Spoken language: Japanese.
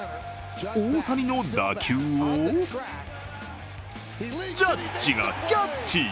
大谷の打球を、ジャッジがキャッチ。